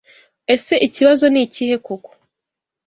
Ese Ikibazo nikihe koko?